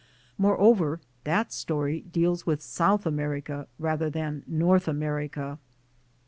Moreover, that story deals with South America rather than North Amer ica.